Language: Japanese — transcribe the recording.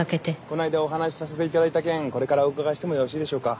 この間お話しさせて頂いた件これからお伺いしてもよろしいでしょうか。